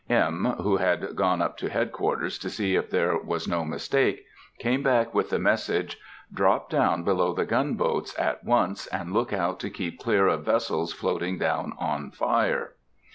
M., who had gone up to head quarters to see if there was no mistake, came back with the message, "Drop down below the gunboats, at once, and look out to keep clear of vessels floating down on fire."